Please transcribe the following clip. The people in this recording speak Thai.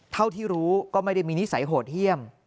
เท่าที่รู้ก็ไม่ได้มีนิสัยโหดเยี่ยม